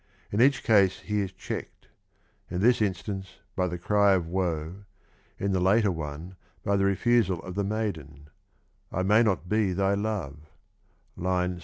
In each case he is checked; in this instance by the cry of woe, in the later one by the refusal of the maiden :" I may not be thy love " (752).